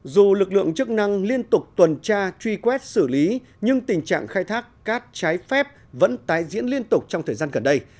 dù lực lượng chức năng liên tục tuần tra truy quét xử lý nhưng tình trạng khai thác cát trái phép vẫn tái diễn liên tục trong thời gian gần đây